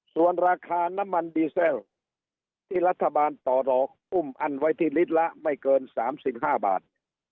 ส่วนราคาน้ำมันดีเซลที่รัฐบาลต่อดอกอุ้มอั้นไว้ที่ลิตรละไม่เกิน๓๕บาท